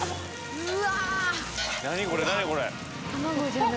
うわ！